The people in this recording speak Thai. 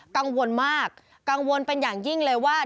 กังวลมากกังวลเป็นอย่างยิ่งเลยว่า